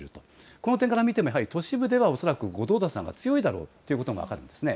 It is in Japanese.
この点から見ても、やはり都市部では、恐らく後藤田さんが強いだろうということが分かりますね。